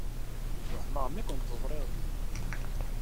Wehmeɣ mi kent-ẓriɣ din.